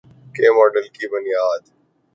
کے ماڈل کی بنیاد